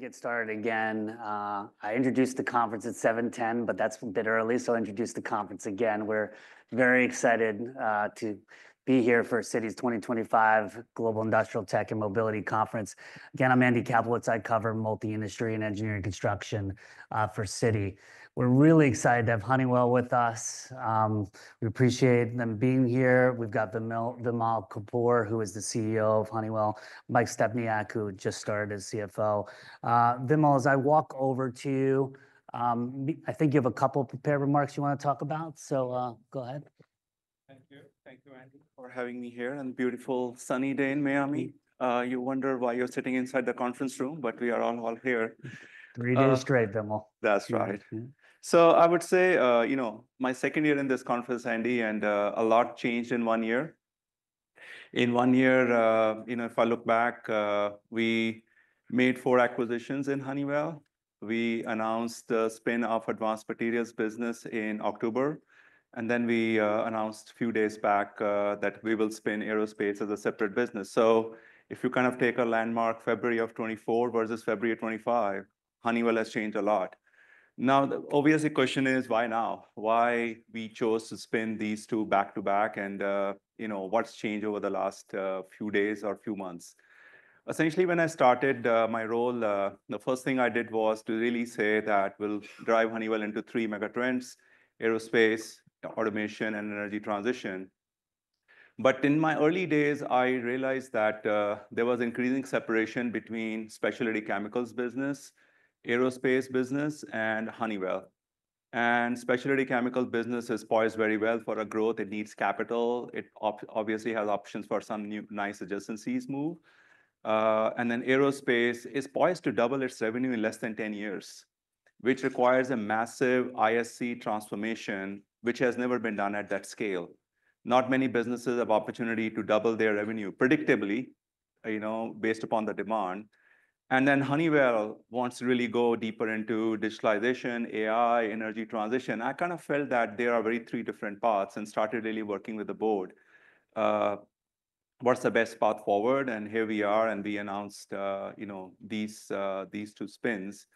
We're going to get started again. I introduced the conference at 7:10, but that's a bit early, so I'll introduce the conference again. We're very excited to be here for Citi's 2025 Global Industrial Tech and Mobility Conference. Again, I'm Andy Kaplowitz. I cover multi-industry and engineering construction for Citi. We're really excited to have Honeywell with us. We appreciate them being here. We've got Vimal Kapur, who is the CEO of Honeywell, Mike Stepniak, who just started as CFO. Vimal, as I walk over to you, I think you have a couple of prepared remarks you want to talk about, so go ahead. Thank you. Thank you, Andy, for having me here on a beautiful sunny day in Miami. You wonder why you're sitting inside the conference room, but we are all here. Great day. It's great, Vimal. That's right. So I would say, you know, my second year in this conference, Andy, and a lot changed in one year. In one year, you know, if I look back, we made four acquisitions in Honeywell. We announced the spin-off Advanced Materials business in October. And then we announced a few days back that we will spin Aerospace as a separate business. So if you kind of take a landmark February of 2024 versus February of 2025, Honeywell has changed a lot. Now, the obvious question is, why now? Why we chose to spin these two back to back? And, you know, what's changed over the last few days or a few months? Essentially, when I started my role, the first thing I did was to really say that we'll drive Honeywell into three mega trends: Aerospace, automation, and energy transition. In my early days, I realized that there was increasing separation between specialty chemicals business, aerospace business, and Honeywell. The specialty chemical business is poised very well for growth. It needs capital. It obviously has options for some nice adjacencies move. The aerospace business is poised to double its revenue in less than 10 years, which requires a massive ISC transformation, which has never been done at that scale. Not many businesses have the opportunity to double their revenue predictably, you know, based upon the demand. Honeywell wants to really go deeper into digitalization, AI, energy transition. I kind of felt that there are three different paths and started really working with the board. What is the best path forward? Here we are. We announced, you know, these two spins.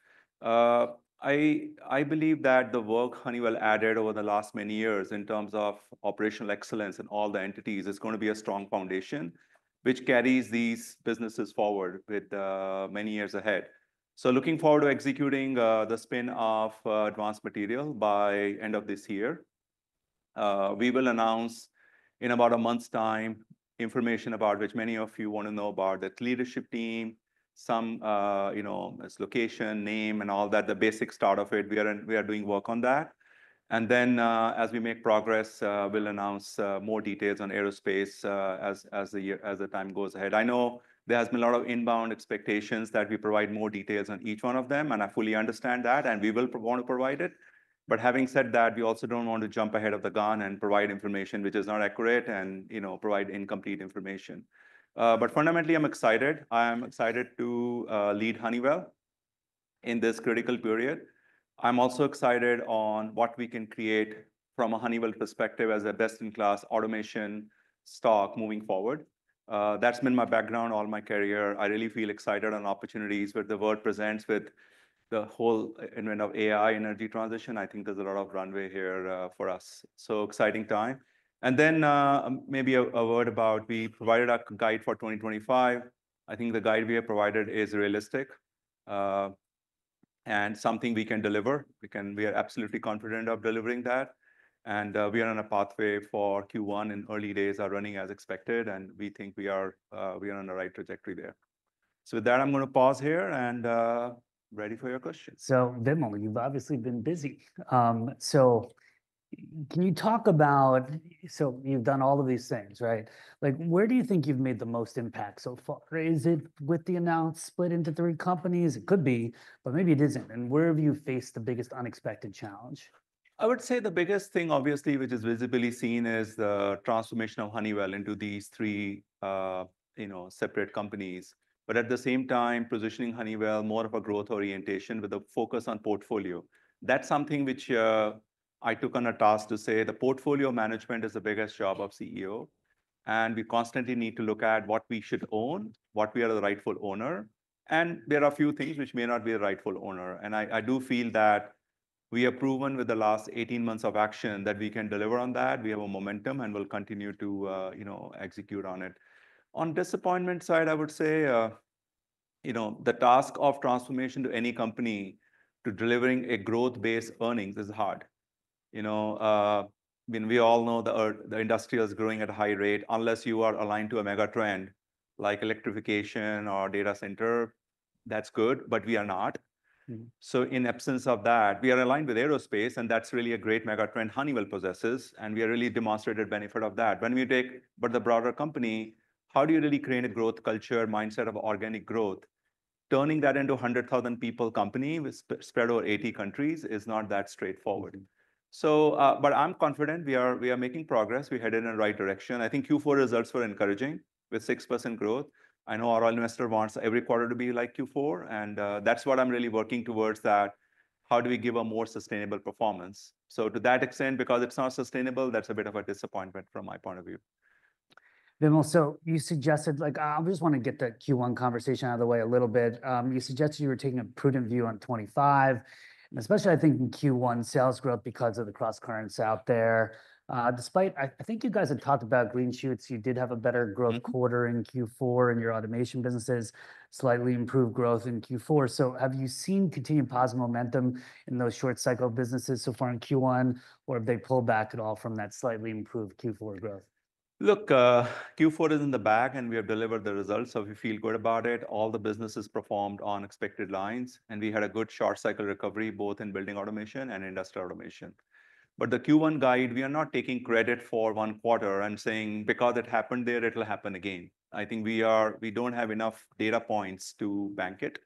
I believe that the work Honeywell added over the last many years in terms of operational excellence and all the entities is going to be a strong foundation, which carries these businesses forward with many years ahead. So looking forward to executing the spin-off Advanced Materials by the end of this year, we will announce in about a month's time information about which many of you want to know about that leadership team, some, you know, its location, name, and all that, the basic start of it. We are doing work on that. And then as we make progress, we'll announce more details on Aerospace as the time goes ahead. I know there has been a lot of inbound expectations that we provide more details on each one of them, and I fully understand that, and we will want to provide it. But having said that, we also don't want to jump ahead of the gun and provide information which is not accurate and, you know, provide incomplete information. But fundamentally, I'm excited. I am excited to lead Honeywell in this critical period. I'm also excited on what we can create from a Honeywell perspective as a best-in-class automation stock moving forward. That's been my background all my career. I really feel excited on opportunities with the world presents with the whole advent of AI, energy transition. I think there's a lot of runway here for us. So exciting time. And then maybe a word about we provided a guide for 2025. I think the guide we have provided is realistic and something we can deliver. We are absolutely confident of delivering that. And we are on a pathway for Q1. Early days are running as expected, and we think we are on the right trajectory there. With that, I'm going to pause here and ready for your questions. Vimal, you've obviously been busy. Can you talk about, so you've done all of these things, right? Like, where do you think you've made the most impact so far? Is it with the announced split into three companies? It could be, but maybe it isn't. Where have you faced the biggest unexpected challenge? I would say the biggest thing, obviously, which is visibly seen is the transformation of Honeywell into these three, you know, separate companies. But at the same time, positioning Honeywell more of a growth orientation with a focus on portfolio. That's something which I took on a task to say the portfolio management is the biggest job of CEO. And we constantly need to look at what we should own, what we are the rightful owner. And there are a few things which may not be a rightful owner. And I do feel that we have proven with the last 18 months of action that we can deliver on that. We have a momentum and we'll continue to, you know, execute on it. On disappointment side, I would say, you know, the task of transformation to any company to delivering a growth-based earnings is hard. You know, I mean, we all know the industry is growing at a high rate. Unless you are aligned to a mega trend like electrification or data center, that's good, but we are not. So in absence of that, we are aligned with aerospace, and that's really a great mega trend Honeywell possesses. And we are really demonstrated benefit of that. But the broader company, how do you really create a growth culture mindset of organic growth? Turning that into a 100,000-person company spread over 80 countries is not that straightforward. So, but I'm confident we are making progress. We headed in the right direction. I think Q4 results were encouraging with 6% growth. I know our investor wants every quarter to be like Q4, and that's what I'm really working towards. How do we give a more sustainable performance? So to that extent, because it's not sustainable, that's a bit of a disappointment from my point of view. Vimal, so you suggested, like, I just want to get the Q1 conversation out of the way a little bit. You suggested you were taking a prudent view on '25, and especially I think in Q1 sales growth because of the cross-currents out there. Despite, I think you guys had talked about green shoots, you did have a better growth quarter in Q4 in your automation businesses, slightly improved growth in Q4. So have you seen continued positive momentum in those short-cycle businesses so far in Q1, or have they pulled back at all from that slightly improved Q4 growth? Look, Q4 is in the bag, and we have delivered the results. So we feel good about it. All the businesses performed on expected lines, and we had a good short-cycle recovery both in building automation and industrial automation. But the Q1 guide, we are not taking credit for one quarter and saying because it happened there, it'll happen again. I think we don't have enough data points to bank it.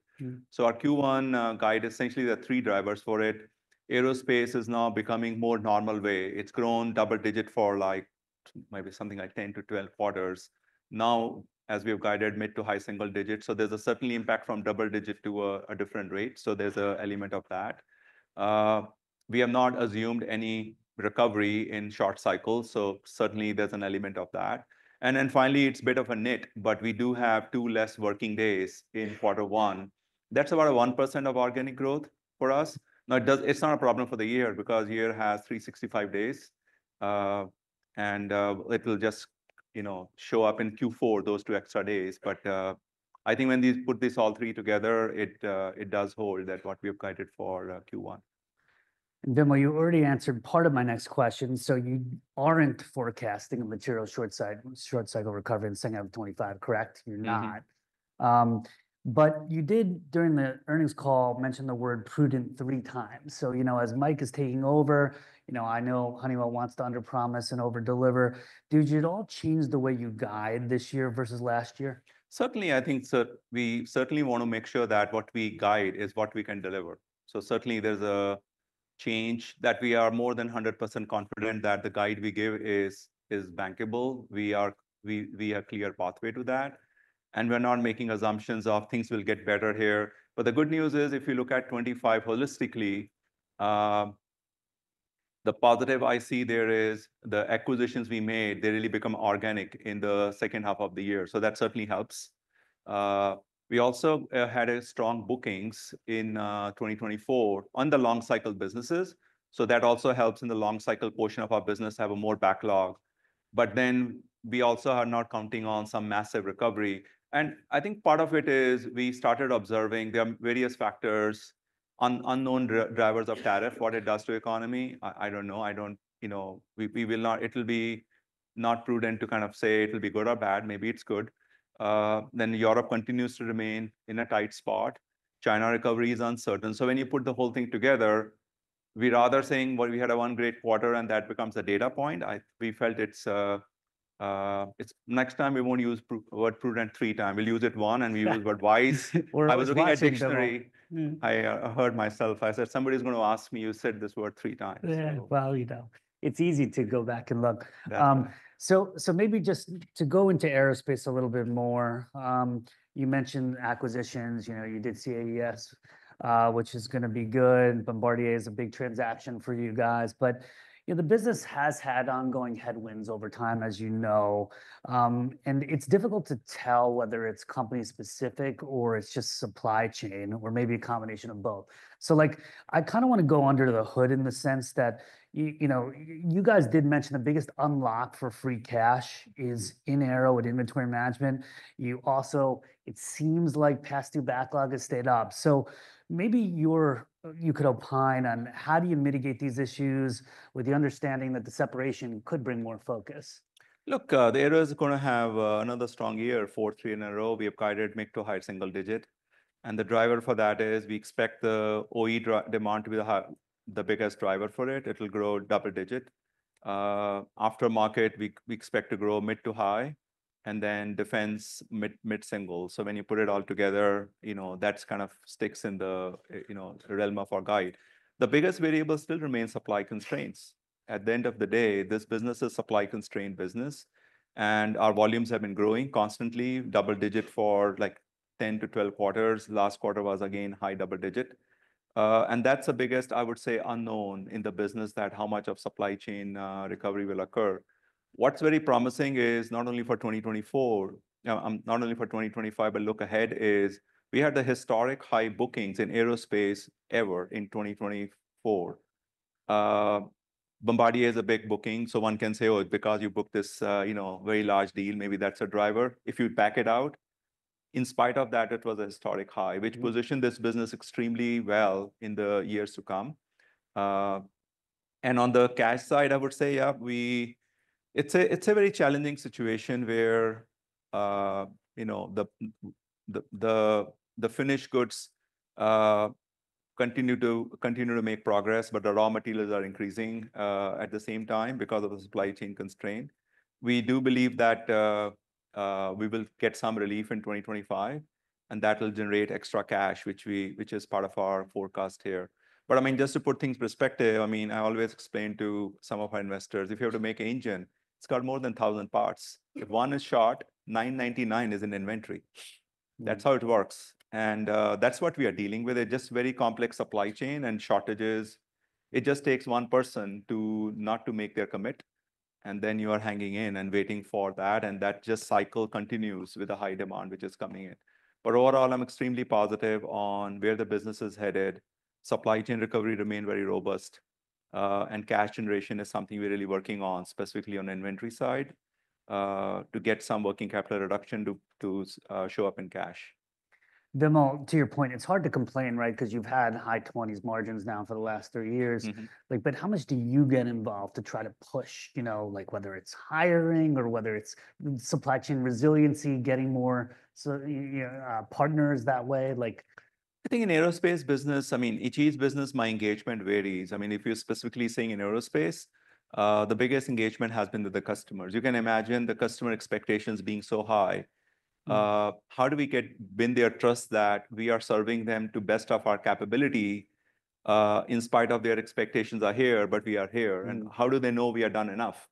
So our Q1 guide, essentially the three drivers for it, aerospace is now becoming more normal way. It's grown double digit for like maybe something like 10 to 12 quarters. Now, as we have guided mid to high single digits. So there's certainly an impact from double digit to a different rate. So there's an element of that. We have not assumed any recovery in short cycles. So certainly there's an element of that. Then finally, it's a bit of a nit, but we do have two less working days in quarter one. That's about a 1% of organic growth for us. Now, it's not a problem for the year because year has 365 days, and it will just, you know, show up in Q4 those two extra days. But I think when we put these all three together, it does hold to what we have guided for Q1. Vimal, you already answered part of my next question. So you aren't forecasting a material short-cycle recovery in the second half of 2025, correct? You're not. But you did during the earnings call mention the word prudent three times. So, you know, as Mike is taking over, you know, I know Honeywell wants to underpromise and overdeliver. Did it all change the way you guide this year versus last year? Certainly, I think we certainly want to make sure that what we guide is what we can deliver. So certainly there's a chance that we are more than 100% confident that the guide we give is bankable. We have a clear pathway to that. We're not making assumptions that things will get better here. But the good news is if you look at 2025 holistically, the positive I see there is the acquisitions we made. They really become organic in the second half of the year. So that certainly helps. We also had strong bookings in 2024 on the long-cycle businesses. So that also helps in the long-cycle portion of our business have more backlog. But then we also are not counting on some massive recovery. And I think part of it is we started observing there are various factors, unknown drivers of tariff, what it does to economy. I don't know. I don't, you know, we will not, it'll be not prudent to kind of say it'll be good or bad. Maybe it's good. Then Europe continues to remain in a tight spot. China recovery is uncertain. So when you put the whole thing together, we rather saying what we had a one great quarter and that becomes a data point. We felt it's next time we won't use the word prudent three times. We'll use it once and we use the word wise. I was looking at dictionary. I heard myself. I said, somebody's going to ask me, you said this word three times. You know, it's easy to go back and look. So maybe just to go into aerospace a little bit more, you mentioned acquisitions. You know, you did CAES, which is going to be good. Bombardier is a big transaction for you guys. But you know, the business has had ongoing headwinds over time, as you know. And it's difficult to tell whether it's company specific or it's just supply chain or maybe a combination of both. So like, I kind of want to go under the hood in the sense that, you know, you guys did mention the biggest unlock for free cash is in Aero with inventory management. You also, it seems like past due backlog has stayed up. So maybe you could opine on how do you mitigate these issues with the understanding that the separation could bring more focus. Look, the Aero is going to have another strong year, fourth in a row. We have guided mid- to high-single-digit, and the driver for that is we expect the OE demand to be the biggest driver for it. It'll grow double digit, aftermarket we expect to grow mid to high, and then defense mid single, so when you put it all together, you know, that kind of sticks in the, you know, realm of our guide. The biggest variable still remains supply constraints. At the end of the day, this business is a supply-constrained business, and our volumes have been growing constantly, double digit for like 10 to 12 quarters. Last quarter was again high double digit, and that's the biggest, I would say, unknown in the business that how much of supply chain recovery will occur. What's very promising is not only for 2024, not only for 2025, but looking ahead, we had the historic high bookings in aerospace ever in 2024. Bombardier is a big booking. So one can say, oh, it's because you booked this, you know, very large deal. Maybe that's a driver. If you back it out, in spite of that, it was a historic high, which positioned this business extremely well in the years to come. And on the cash side, I would say, yeah, it's a very challenging situation where, you know, the finished goods continue to make progress, but the raw materials are increasing at the same time because of the supply chain constraint. We do believe that we will get some relief in 2025, and that will generate extra cash, which is part of our forecast here. But I mean, just to put things in perspective, I mean, I always explain to some of our investors, if you have to make an engine, it's got more than 1,000 parts. If one is shot, 999 is in inventory. That's how it works. And that's what we are dealing with. It's just very complex supply chain and shortages. It just takes one person to not make their commit. And then you are hanging in and waiting for that. And that just cycle continues with the high demand, which is coming in. But overall, I'm extremely positive on where the business is headed. Supply chain recovery remained very robust. And cash generation is something we're really working on, specifically on the inventory side, to get some working capital reduction to show up in cash. Vimal, to your point, it's hard to complain, right? Because you've had high 20s margins now for the last three years. Like, but how much do you get involved to try to push, you know, like whether it's hiring or whether it's supply chain resiliency, getting more partners that way? Like. I think in aerospace business, I mean, each business, my engagement varies. I mean, if you're specifically saying in aerospace, the biggest engagement has been with the customers. You can imagine the customer expectations being so high. How do we get their trust that we are serving them to the best of our capability in spite of their expectations are here, but we are here, and how do they know we are done enough,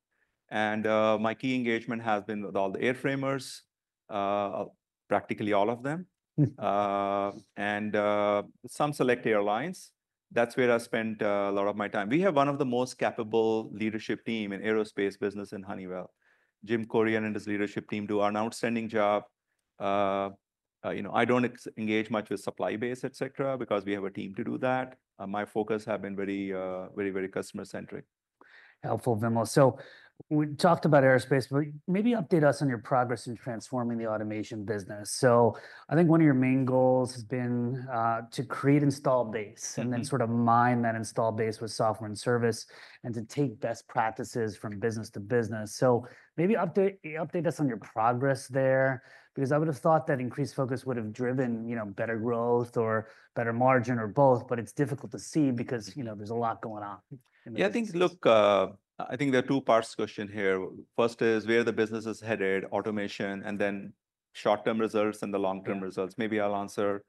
and my key engagement has been with all the airframers, practically all of them, and some select airlines. That's where I spent a lot of my time. We have one of the most capable leadership teams in aerospace business in Honeywell. Jim Currier and his leadership team do an outstanding job. You know, I don't engage much with supply base, et cetera, because we have a team to do that. My focus has been very, very, very customer-centric. Helpful, Vimal. So we talked about aerospace, but maybe update us on your progress in transforming the automation business. So I think one of your main goals has been to create install base and then sort of mine that install base with software and service and to take best practices from business to business. So maybe update us on your progress there, because I would have thought that increased focus would have driven, you know, better growth or better margin or both, but it's difficult to see because, you know, there's a lot going on. Yeah, I think, look, I think there are two parts question here. First is where the business is headed, automation, and then short-term results and the long-term results. Maybe I'll answer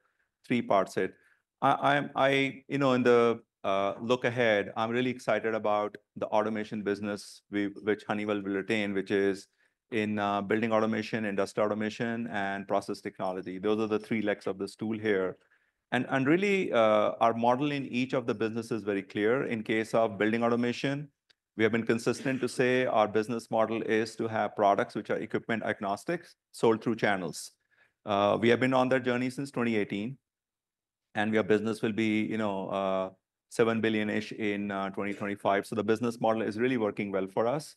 three parts it. I, you know, in the look ahead, I'm really excited about the automation business, which Honeywell will retain, which is in building automation, industrial automation, and process technology. Those are the three legs of this stool here. And really, our model in each of the businesses is very clear. In case of building automation, we have been consistent to say our business model is to have products which are equipment agnostic, sold through channels. We have been on that journey since 2018. And our business will be, you know, $7 billion-ish in 2025. So the business model is really working well for us.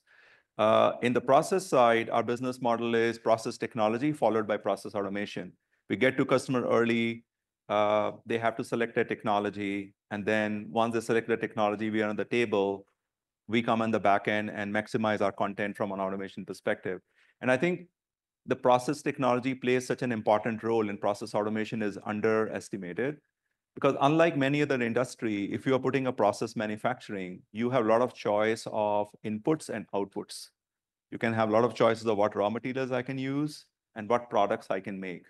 In the process side, our business model is process technology followed by process automation. We get to customer early. They have to select a technology, and then once they select the technology, we are on the table. We come on the back end and maximize our content from an automation perspective, and I think the process technology plays such an important role in process automation is underestimated. Because unlike many other industries, if you are putting a process manufacturing, you have a lot of choice of inputs and outputs. You can have a lot of choices of what raw materials I can use and what products I can make,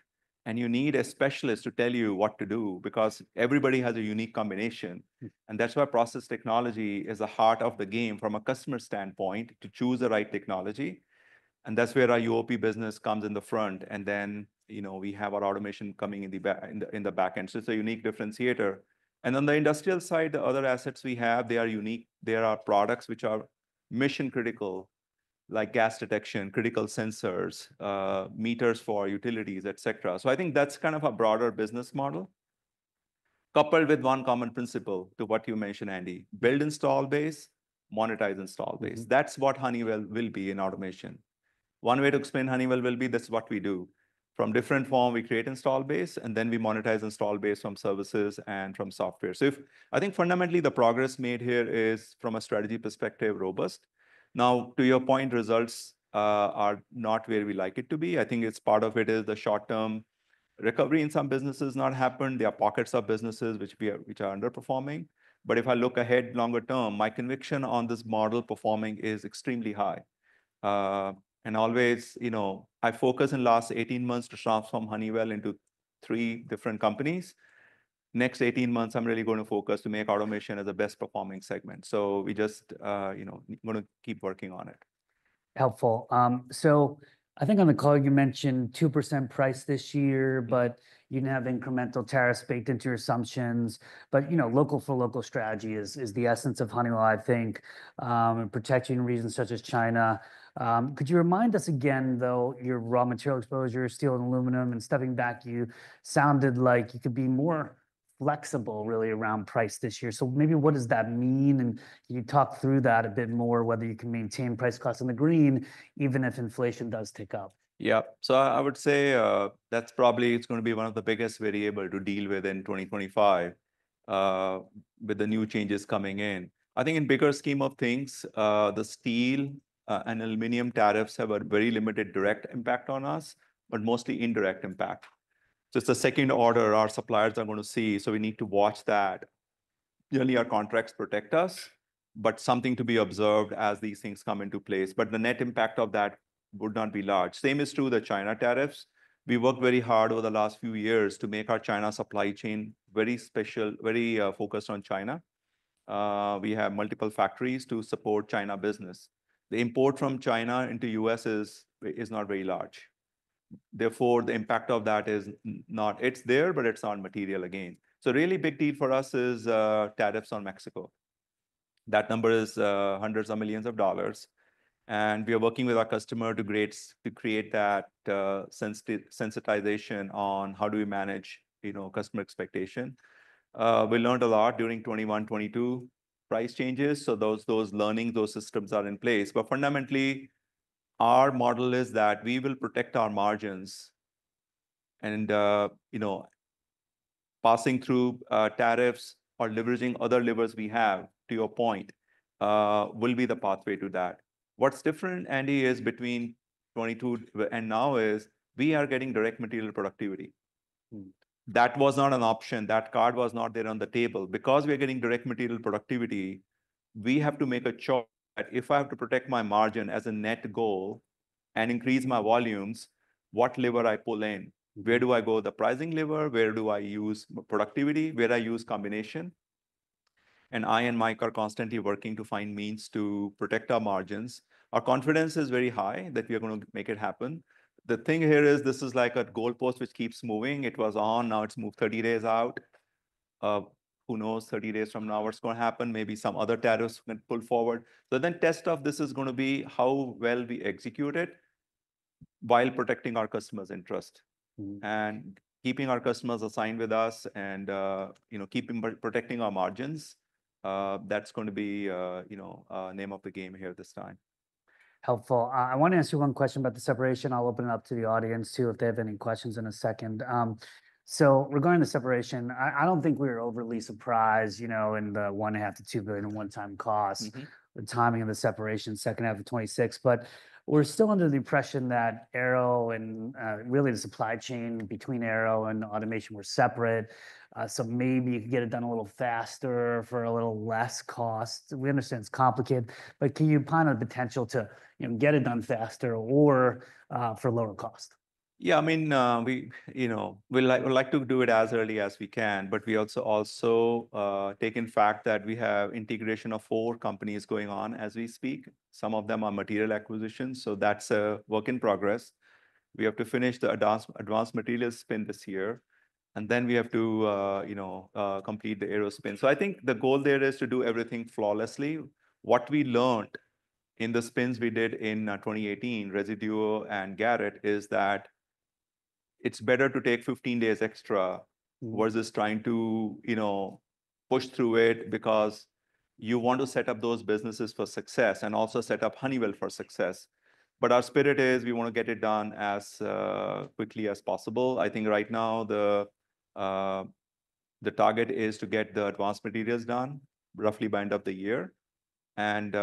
and you need a specialist to tell you what to do because everybody has a unique combination, and that's why process technology is the heart of the game from a customer standpoint to choose the right technology. That's where our UOP business comes in the front. And then, you know, we have our automation coming in the back end. So it's a unique differentiator. And on the industrial side, the other assets we have, they are unique. There are products which are mission critical, like gas detection, critical sensors, meters for utilities, et cetera. So I think that's kind of a broader business model, coupled with one common principle to what you mentioned, Andy, build installed base, monetize installed base. That's what Honeywell will be in automation. One way to explain Honeywell will be, that's what we do. From different form, we create installed base, and then we monetize installed base from services and from software. So I think fundamentally the progress made here is from a strategy perspective, robust. Now, to your point, results are not where we like it to be. I think part of it is the short-term recovery in some businesses not happened. There are pockets of businesses which are underperforming. But if I look ahead longer term, my conviction on this model performing is extremely high. And always, you know, I focus in the last 18 months to transform Honeywell into three different companies. Next 18 months, I'm really going to focus to make automation as the best performing segment. So we just, you know, going to keep working on it. Helpful. So I think on the call, you mentioned 2% price this year, but you didn't have incremental tariffs baked into your assumptions. But you know, local for local strategy is the essence of Honeywell, I think, and protecting regions such as China. Could you remind us again, though, your raw material exposure, steel and aluminum, and stepping back, you sounded like you could be more flexible really around price this year? So maybe what does that mean? And can you talk through that a bit more, whether you can maintain price costs in the green, even if inflation does tick up? Yep. So I would say that's probably going to be one of the biggest variables to deal with in 2025 with the new changes coming in. I think in bigger scheme of things, the steel and aluminum tariffs have a very limited direct impact on us, but mostly indirect impact. Just the second order, our suppliers are going to see. So we need to watch that. Generally, our contracts protect us, but something to be observed as these things come into place. But the net impact of that would not be large. Same is true of the China tariffs. We worked very hard over the last few years to make our China supply chain very special, very focused on China. We have multiple factories to support China business. The import from China into the U.S. is not very large. Therefore, the impact of that is not; it's there, but it's not material again. The really big deal for us is tariffs on Mexico. That number is hundreds of millions of dollars. We are working with our customer to create that sensitization on how do we manage, you know, customer expectation. We learned a lot during 2021, 2022 price changes. Those learnings, those systems are in place. But fundamentally, our model is that we will protect our margins. Passing through tariffs or leveraging other levers we have, to your point, will be the pathway to that. What's different, Andy, is between 2022 and now is we are getting direct material productivity. That was not an option. That card was not there on the table. Because we are getting direct material productivity, we have to make a choice that if I have to protect my margin as a net goal and increase my volumes, what lever I pull in? Where do I go? The pricing lever? Where do I use productivity? Where do I use combination? And I and Mike are constantly working to find means to protect our margins. Our confidence is very high that we are going to make it happen. The thing here is this is like a goalpost which keeps moving. It was on, now it's moved 30 days out. Who knows 30 days from now what's going to happen? Maybe some other tariffs can pull forward. So then test of this is going to be how well we execute it while protecting our customers' interest and keeping our customers aligned with us and, you know, protecting our margins. That's going to be, you know, name of the game here this time. Helpful. I want to ask you one question about the separation. I'll open it up to the audience too if they have any questions in a second. So regarding the separation, I don't think we were overly surprised, you know, in the $1.5 billion-$2 billion one-time costs, the timing of the separation second half of 2026. But we're still under the impression that Aero and really the supply chain between Aero and automation were separate. So maybe you could get it done a little faster for a little less cost. We understand it's complicated, but can you opine on the potential to, you know, get it done faster or for lower cost? Yeah, I mean, we, you know, we like to do it as early as we can, but we also take into account that we have integration of four companies going on as we speak. Some of them are material acquisitions. So that's a work in progress. We have to finish the Advanced Materials spin this year. And then we have to, you know, complete the Aero spin. So I think the goal there is to do everything flawlessly. What we learned in the spins we did in 2018, Resideo and Garrett, is that it's better to take 15 days extra versus trying to, you know, push through it because you want to set up those businesses for success and also set up Honeywell for success. But our spirit is we want to get it done as quickly as possible. I think right now the target is to get the Advanced Materials done roughly by end of the year. And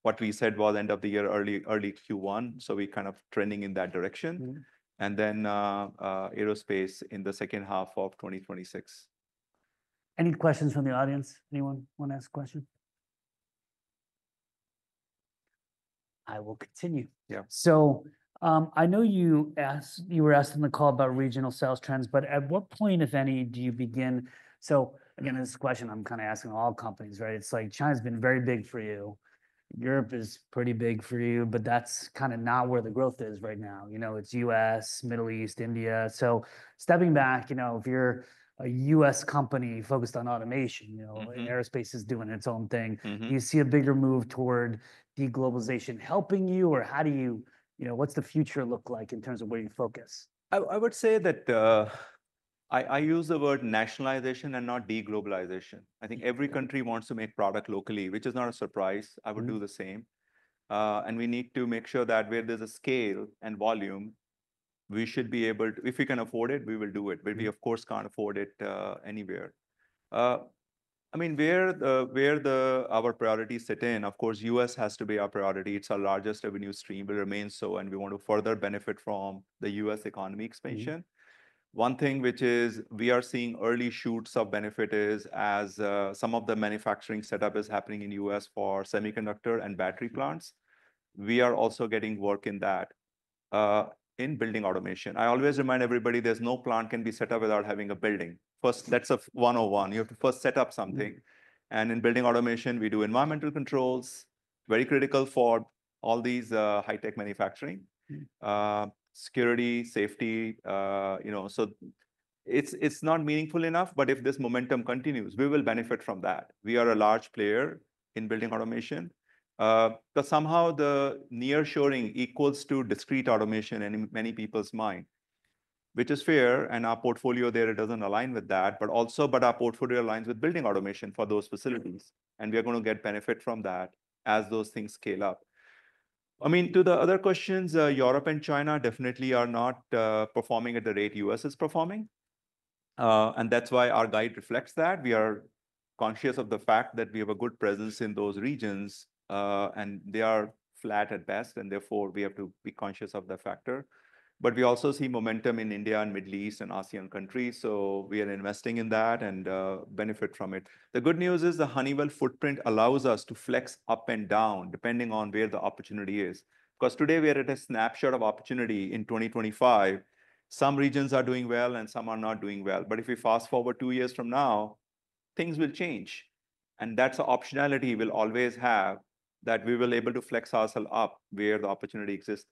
what we said was end of the year, early Q1. So we're kind of trending in that direction. And then Aerospace in the second half of 2026. Any questions from the audience? Anyone want to ask a question? I will continue. Yeah. So I know you were asked in the call about regional sales trends, but at what point, if any, do you begin? So again, this question, I'm kind of asking all companies, right? It's like China's been very big for you. Europe is pretty big for you, but that's kind of not where the growth is right now. You know, it's U.S., Middle East, India. So stepping back, you know, if you're a U.S. company focused on automation, you know, and aerospace is doing its own thing, do you see a bigger move toward deglobalization helping you? Or how do you, you know, what's the future look like in terms of where you focus? I would say that I use the word nationalization and not deglobalization. I think every country wants to make product locally, which is not a surprise. I would do the same. And we need to make sure that where there's a scale and volume, we should be able to, if we can afford it, we will do it. But we, of course, can't afford it anywhere. I mean, where our priorities sit in, of course, U.S. has to be our priority. It's our largest revenue stream. It remains so, and we want to further benefit from the U.S. economy expansion. One thing which is we are seeing early shoots of benefit is as some of the manufacturing setup is happening in the U.S. for semiconductor and battery plants. We are also getting work in that in building automation. I always remind everybody there's no plant can be set up without having a building. First, that's a 101. You have to first set up something. And in building automation, we do environmental controls, very critical for all these high-tech manufacturing, security, safety, you know. So it's not meaningful enough, but if this momentum continues, we will benefit from that. We are a large player in building automation. But somehow the nearshoring equals to discrete automation in many people's mind, which is fair. And our portfolio there doesn't align with that, but also, our portfolio aligns with building automation for those facilities. And we are going to get benefit from that as those things scale up. I mean, to the other questions, Europe and China definitely are not performing at the rate U.S. is performing. And that's why our guide reflects that. We are conscious of the fact that we have a good presence in those regions, and they are flat at best, and therefore we have to be conscious of the factor. But we also see momentum in India and Middle East and ASEAN countries. So we are investing in that and benefit from it. The good news is the Honeywell footprint allows us to flex up and down depending on where the opportunity is. Because today we are at a snapshot of opportunity in 2025. Some regions are doing well and some are not doing well. But if we fast forward two years from now, things will change. And that's an optionality we will always have that we will be able to flex ourselves up where the opportunity exists.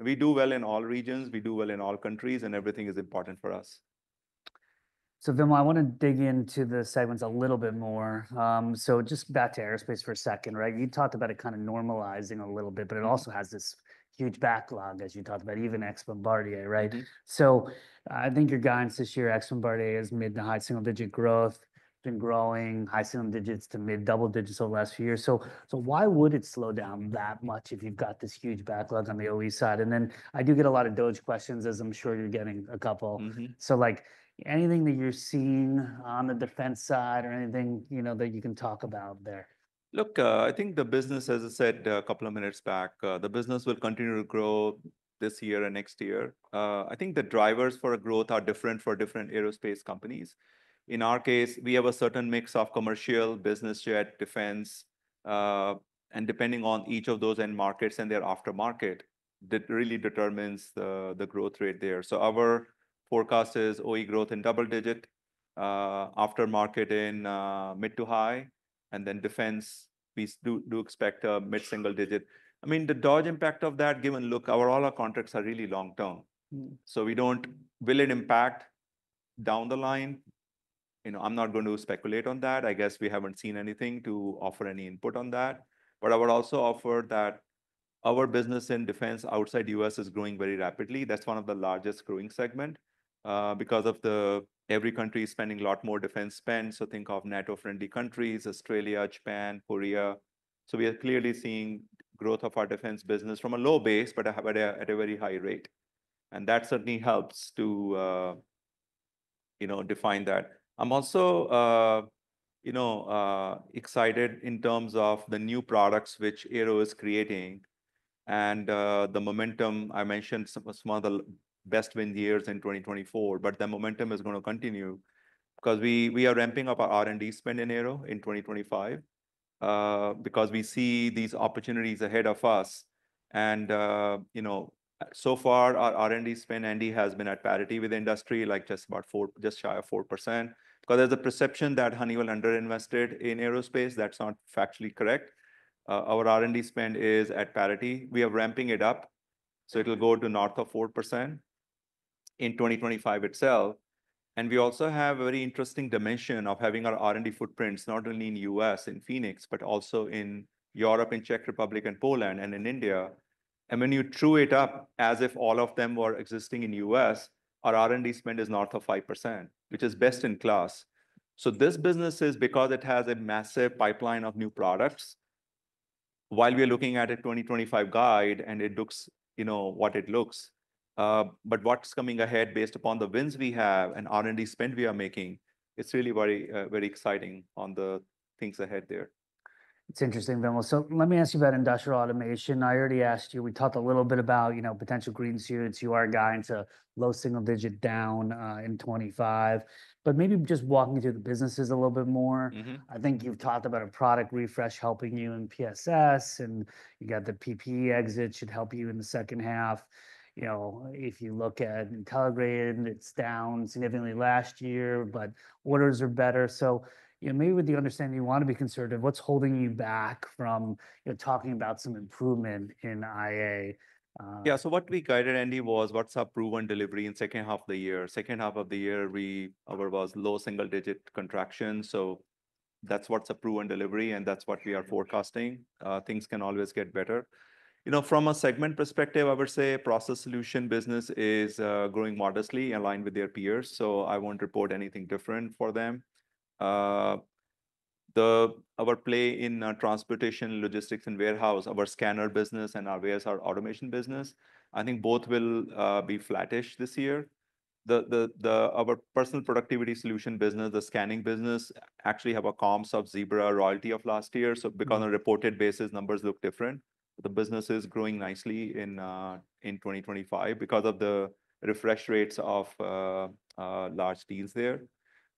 We do well in all regions. We do well in all countries, and everything is important for us. Vimal, I want to dig into the segments a little bit more. Just back to aerospace for a second, right? You talked about it kind of normalizing a little bit, but it also has this huge backlog, as you talked about, even Bombardier, right? I think your guidance this year, Bombardier is mid- to high single-digit growth, been growing high single digits to mid double digits over the last few years. Why would it slow down that much if you've got this huge backlog on the OE side? I do get a lot of DOGE questions, as I'm sure you're getting a couple. Like anything that you're seeing on the defense side or anything, you know, that you can talk about there? Look, I think the business, as I said a couple of minutes back, the business will continue to grow this year and next year. I think the drivers for growth are different for different aerospace companies. In our case, we have a certain mix of commercial, business jet, defense, and depending on each of those end markets and their aftermarket, that really determines the growth rate there. So our forecast is OE growth in double-digit, aftermarket in mid- to high-, and then defense, we do expect a mid-single-digit. I mean, the DOGE impact of that, given look, all our contracts are really long term. So we don't will it impact down the line? You know, I'm not going to speculate on that. I guess we haven't seen anything to offer any input on that. But I would also offer that our business in defense outside U.S. is growing very rapidly. That's one of the largest growing segments because every country is spending a lot more defense spend. So think of NATO-friendly countries, Australia, Japan, Korea. So we are clearly seeing growth of our defense business from a low base, but at a very high rate. And that certainly helps to, you know, define that. I'm also, you know, excited in terms of the new products which Aero is creating and the momentum. I mentioned some of the best win years in 2024, but the momentum is going to continue because we are ramping up our R&D spend in Aero in 2025 because we see these opportunities ahead of us. And, you know, so far our R&D spend, Andy, has been at parity with industry, like just about four, just shy of 4%. Because there's a perception that Honeywell underinvested in aerospace. That's not factually correct. Our R&D spend is at parity. We are ramping it up. So it'll go to north of 4% in 2025 itself. And we also have a very interesting dimension of having our R&D footprints not only in the U.S., in Phoenix, but also in Europe, in Czech Republic and Poland and in India. And when you true it up as if all of them were existing in the U.S., our R&D spend is north of 5%, which is best in class. So this business is because it has a massive pipeline of new products while we are looking at a 2025 guide and it looks, you know, what it looks. But what's coming ahead based upon the wins we have and R&D spend we are making, it's really very, very exciting on the things ahead there. It's interesting, Vimal. So let me ask you about industrial automation. I already asked you, we talked a little bit about, you know, potential greenshoots. You are guiding to low single-digit down in 2025. But maybe just walking through the businesses a little bit more. I think you've talked about a product refresh helping you in PSS and you got the PPE exit should help you in the second half. You know, if you look at Intelligrated, it's down significantly last year, but orders are better. So, you know, maybe with the understanding you want to be conservative, what's holding you back from, you know, talking about some improvement in IA? Yeah, so what we guided, Andy, was what's our proven delivery in the second half of the year. Second half of the year, we were low single-digit contractions. So that's what's a proven delivery and that's what we are forecasting. Things can always get better. You know, from a segment perspective, I would say process solution business is growing modestly aligned with their peers. So I won't report anything different for them. Our play in transportation, logistics and warehouse, our scanner business and our warehouse automation business, I think both will be flattish this year. Our personal productivity solution business, the scanning business, actually have a comps of Zebra royalty of last year. So because on a reported basis, numbers look different. The business is growing nicely in 2025 because of the refresh rates of large deals there.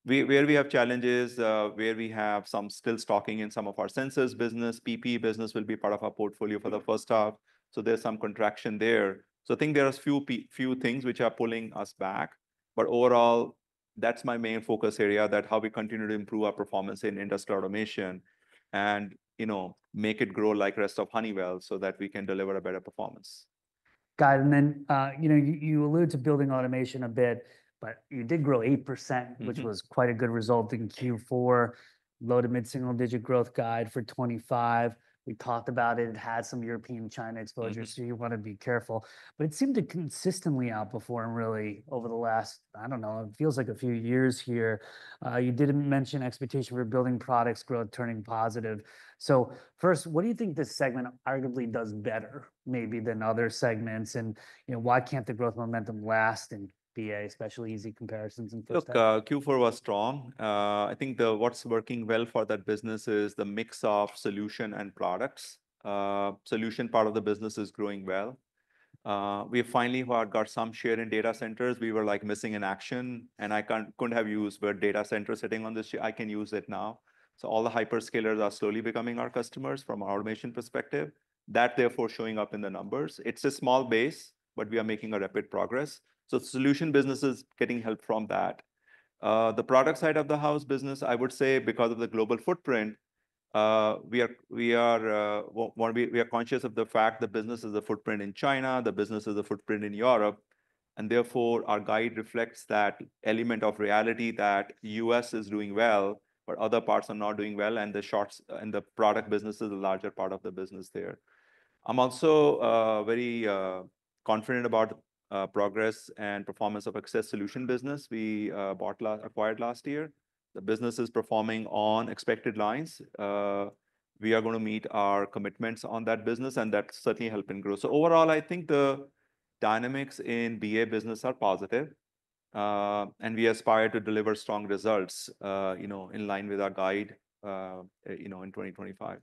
Where we have challenges, where we have some still stocking in some of our sensors business, PPE business will be part of our portfolio for the first half. So there's some contraction there. So I think there are a few things which are pulling us back. But overall, that's my main focus area that how we continue to improve our performance in industrial automation and, you know, make it grow like the rest of Honeywell so that we can deliver a better performance. Guide and then, you know, you alluded to building automation a bit, but you did grow 8%, which was quite a good result in Q4, low to mid single digit growth guide for 2025. We talked about it. It had some European and China exposure, so you want to be careful, but it seemed to consistently outperform really over the last, I don't know, it feels like a few years here. You didn't mention expectation for building products growth turning positive, so first, what do you think this segment arguably does better maybe than other segments, and, you know, why can't the growth momentum last and be a special easy comparison? Look, Q4 was strong. I think what's working well for that business is the mix of solution and products. Solution part of the business is growing well. We finally got some share in data centers. We were like missing in action, and I couldn't have used where data center sitting on this year. I can use it now, so all the hyperscalers are slowly becoming our customers from our automation perspective. That therefore showing up in the numbers. It's a small base, but we are making a rapid progress. So solution business is getting help from that. The product side of the house business, I would say because of the global footprint, we are conscious of the fact the business is the footprint in China, the business is the footprint in Europe. And therefore our guide reflects that element of reality that U.S. is doing well, but other parts are not doing well. And the shorts in the product business is a larger part of the business there. I'm also very confident about progress and performance of Access Solutions business we bought acquired last year. The business is performing on expected lines. We are going to meet our commitments on that business and that's certainly helping grow. So overall, I think the dynamics in BA business are positive. And we aspire to deliver strong results, you know, in line with our guide, you know, in 2025.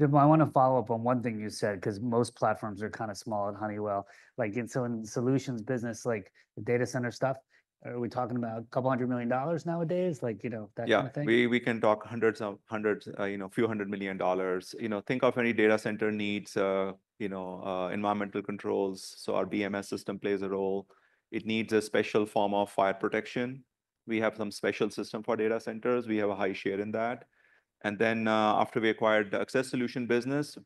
Vimal, I want to follow up on one thing you said because most platforms are kind of small at Honeywell. Like in solutions business, like the data center stuff, are we talking about $200 million nowadays? Like, you know, that kind of thing? Yeah, we can talk hundreds of, you know, a few hundred million dollars. You know, think of any data center needs, you know, environmental controls. So our BMS system plays a role. It needs a special form of fire protection. We have some special system for data centers. We have a high share in that. And then after we acquired the Access Solutions business,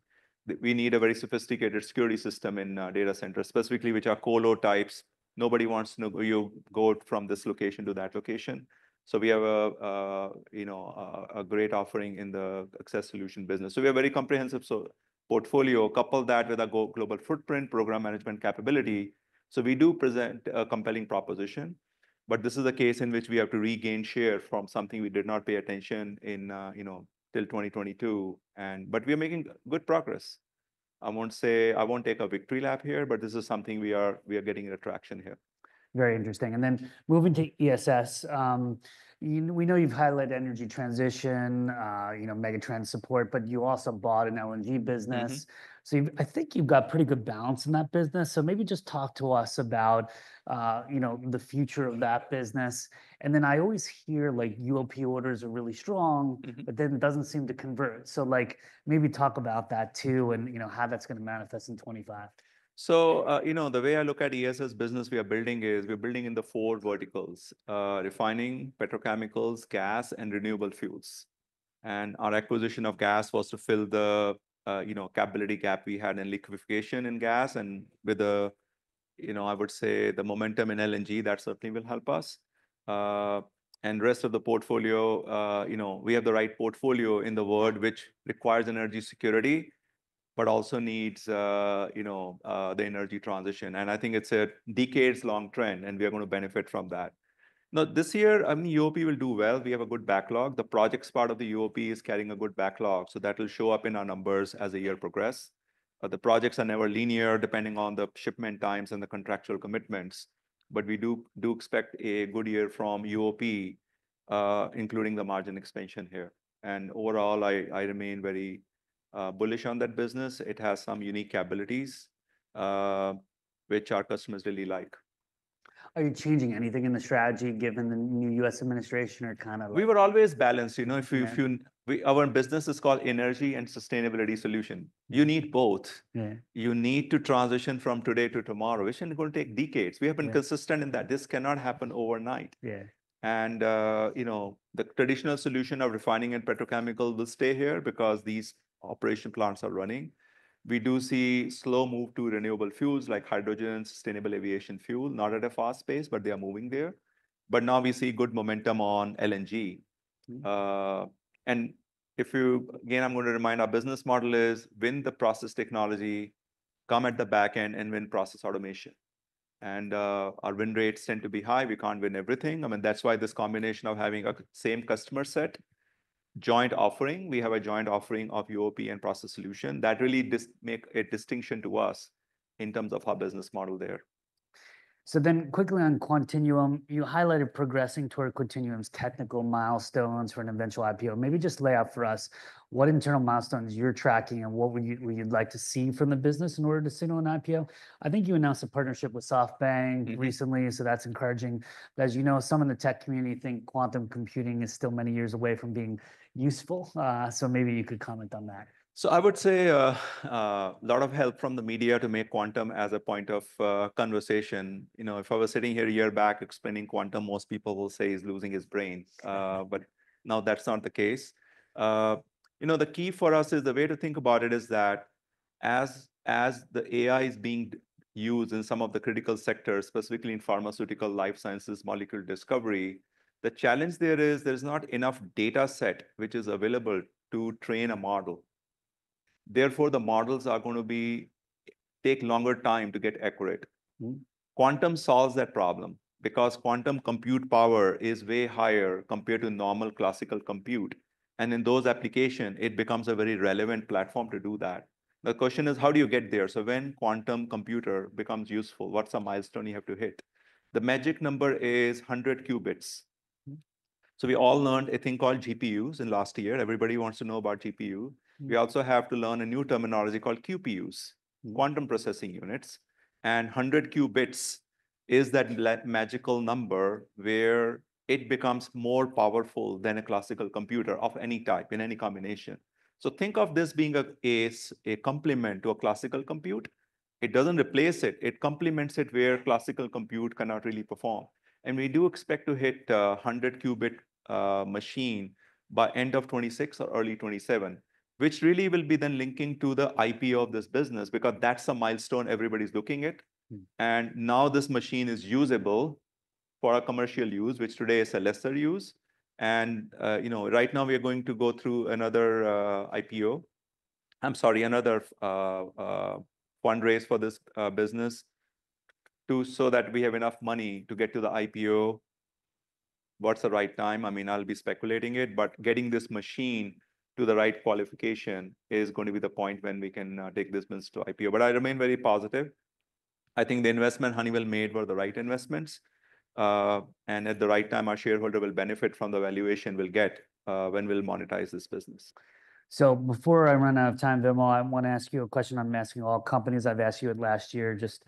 we need a very sophisticated security system in data centers specifically, which are colo types. Nobody wants to go from this location to that location. So we have a, you know, a great offering in the Access Solutions business. So we have a very comprehensive portfolio. Couple that with a global footprint, program management capability. So we do present a compelling proposition, but this is a case in which we have to regain share from something we did not pay attention in, you know, till 2022. We are making good progress. I won't say I won't take a victory lap here, but this is something we are getting traction here. Very interesting, and then moving to ESS, we know you've highlighted energy transition, you know, megatrend support, but you also bought an LNG business, so I think you've got pretty good balance in that business, so maybe just talk to us about, you know, the future of that business, and then I always hear like UOP orders are really strong, but then it doesn't seem to convert, so like maybe talk about that too and, you know, how that's going to manifest in 2025. So, you know, the way I look at ESS business we are building is we're building in the four verticals: refining, petrochemicals, gas, and renewable fuels. And our acquisition of gas was to fill the, you know, capability gap we had in liquefaction in gas. And with the, you know, I would say the momentum in LNG, that certainly will help us. And the rest of the portfolio, you know, we have the right portfolio in the world, which requires energy security, but also needs, you know, the energy transition. And I think it's a decades-long trend and we are going to benefit from that. Now this year, I mean, UOP will do well. We have a good backlog. The projects part of the UOP is carrying a good backlog. So that will show up in our numbers as the year progress. The projects are never linear depending on the shipment times and the contractual commitments. But we do expect a good year from UOP, including the margin expansion here. And overall, I remain very bullish on that business. It has some unique capabilities, which our customers really like. Are you changing anything in the strategy given the new U.S. administration or kind of? We were always balanced. You know, if you our business is called Energy and Sustainability Solutions. You need both. You need to transition from today to tomorrow, which is going to take decades. We have been consistent in that. This cannot happen overnight. And, you know, the traditional solution of refining and petrochemical will stay here because these operation plants are running. We do see slow move to renewable fuels like hydrogen, sustainable aviation fuel, not at a fast pace, but they are moving there. But now we see good momentum on LNG. And if you, again, I'm going to remind our business model is win the process technology, come at the back end and win process automation. And our win rates tend to be high. We can't win everything. I mean, that's why this combination of having the same customer set, joint offering. We have a joint offering of UOP and process solution that really makes a distinction to us in terms of our business model there. So then quickly on Quantinuum, you highlighted progressing toward Quantinuum's technical milestones for an eventual IPO. Maybe just lay out for us what internal milestones you're tracking and what would you like to see from the business in order to signal an IPO. I think you announced a partnership with SoftBank recently, so that's encouraging. But as you know, some in the tech community think quantum computing is still many years away from being useful. So maybe you could comment on that? So I would say a lot of help from the media to make quantum as a point of conversation. You know, if I was sitting here a year back explaining quantum, most people will say he's losing his brain. But now that's not the case. You know, the key for us is the way to think about it is that as the AI is being used in some of the critical sectors, specifically in pharmaceutical life sciences, molecule discovery, the challenge there is there's not enough data set which is available to train a model. Therefore, the models are going to take longer time to get accurate. Quantum solves that problem because quantum compute power is way higher compared to normal classical compute. And in those applications, it becomes a very relevant platform to do that. The question is, how do you get there? So when quantum computer becomes useful, what's a milestone you have to hit? The magic number is 100 qubits. So we all learned a thing called GPUs in last year. Everybody wants to know about GPU. We also have to learn a new terminology called QPUs, quantum processing units. And 100 qubits is that magical number where it becomes more powerful than a classical computer of any type in any combination. So think of this being a complement to a classical compute. It doesn't replace it. It complements it where classical compute cannot really perform. And we do expect to hit a 100 qubit machine by end of 2026 or early 2027, which really will be then linking to the IPO of this business because that's a milestone everybody's looking at. And now this machine is usable for our commercial use, which today is a lesser use. And, you know, right now we are going to go through another IPO. I'm sorry, another fundraise for this business so that we have enough money to get to the IPO. What's the right time? I mean, I'll be speculating it, but getting this machine to the right qualification is going to be the point when we can take this business to IPO. But I remain very positive. I think the investment Honeywell made were the right investments. And at the right time, our shareholder will benefit from the valuation we'll get when we'll monetize this business. So before I run out of time, Vimal, I want to ask you a question I'm asking all companies. I've asked you last year. Just,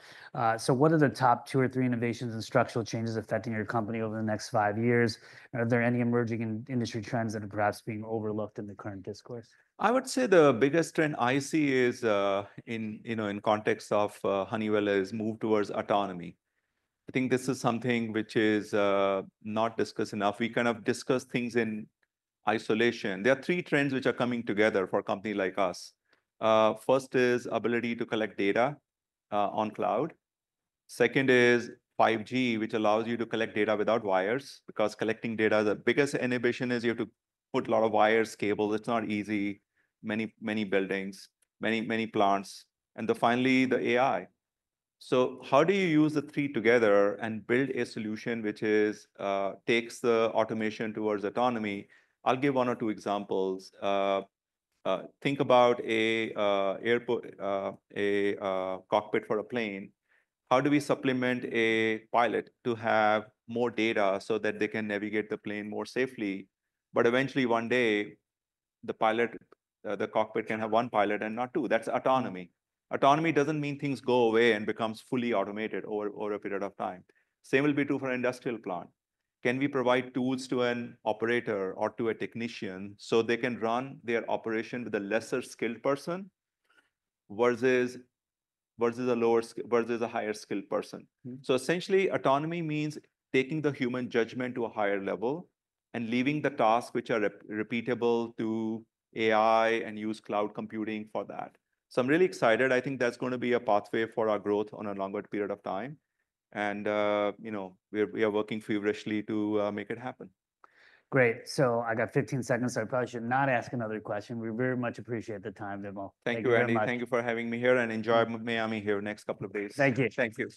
so what are the top two or three innovations and structural changes affecting your company over the next five years? Are there any emerging industry trends that are perhaps being overlooked in the current discourse? I would say the biggest trend I see is in, you know, in context of Honeywell: the move towards autonomy. I think this is something which is not discussed enough. We kind of discuss things in isolation. There are three trends which are coming together for a company like us. First is ability to collect data on cloud. Second is 5G, which allows you to collect data without wires because collecting data, the biggest inhibition is you have to put a lot of wires, cables. It's not easy. Many, many buildings, many, many plants. And finally, the AI. So how do you use the three together and build a solution which takes the automation towards autonomy? I'll give one or two examples. Think about a cockpit for a plane. How do we supplement a pilot to have more data so that they can navigate the plane more safely? But eventually one day, the pilot, the cockpit can have one pilot and not two. That's autonomy. Autonomy doesn't mean things go away and become fully automated over a period of time. Same will be true for an industrial plant. Can we provide tools to an operator or to a technician so they can run their operation with a lesser skilled person versus a higher skilled person? So essentially, autonomy means taking the human judgment to a higher level and leaving the tasks which are repeatable to AI and use cloud computing for that. So I'm really excited. I think that's going to be a pathway for our growth on a longer period of time. And, you know, we are working feverishly to make it happen. Great. So I got 15 seconds. I probably should not ask another question. We very much appreciate the time, Vimal. Thank you very much. Thank you for having me here, and enjoy Miami the next couple of days. Thank you. Thank you.